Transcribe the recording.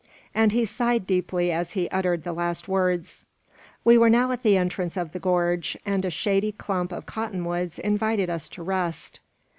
And he sighed deeply as he uttered the last words. We were now at the entrance of the gorge, and a shady clump of cotton woods invited us to rest.